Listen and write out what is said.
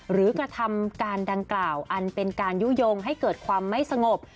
กระทำการดังกล่าวอันเป็นการยุโยงให้เกิดความไม่สงบ